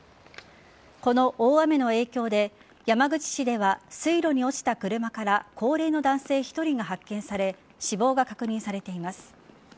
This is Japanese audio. この大雨の影響で山口市では水路に落ちた車から高齢の男性１人が発見され死亡が確認されています。